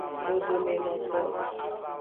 Dodomenoto.